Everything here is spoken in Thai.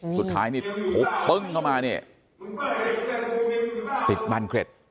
สุดท้ายนี่ทุบปึ้งเข้ามาเนี่ยติดบันเกร็ด